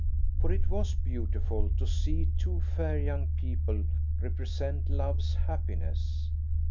For it was beautiful to see two fair young people represent love's happiness.